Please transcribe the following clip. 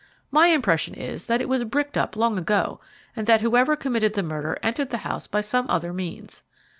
My impression is that it was bricked up long ago, and that whoever committed the murder entered the house by some other means.